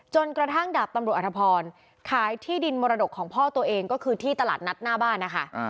กระทั่งดาบตำรวจอธพรขายที่ดินมรดกของพ่อตัวเองก็คือที่ตลาดนัดหน้าบ้านนะคะ